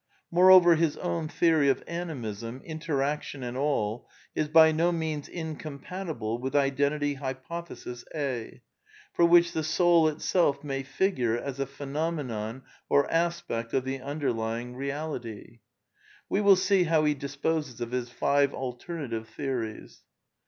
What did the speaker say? Moreover, his own theory of Animism — interaction and all — is by no means incompatible with " Identity Hypothesis A," for which the soul itself may figure as a phenomenon or aspect of the underlying Eeality. We will see how he disposes of his five alternative theories.